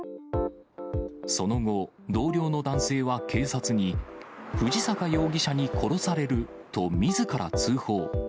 その後、同僚の男性は警察に、藤坂容疑者に殺されるとみずから通報。